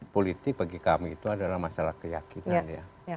politik bagi kami itu adalah masalah keyakinan ya